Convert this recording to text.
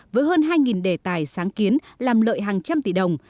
với hơn hai đề tài sáng kiến làm lợi hàng trăm tỷ đồng